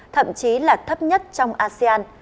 thậm chí là thấp nhất trong asean